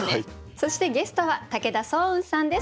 そしてゲストは武田双雲さんです。